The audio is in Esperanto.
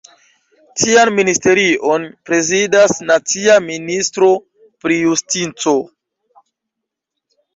Tian ministerion prezidas nacia ministro pri justico.